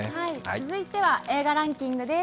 続いては映画ランキングです。